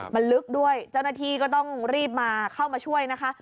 มันลึกด้วยเจ้าหน้าที่ก็ต้องรีบมาเข้ามาช่วยนะคะ